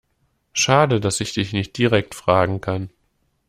Schade, dass ich dich nicht direkt fragen kann.